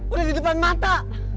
udah di depan mata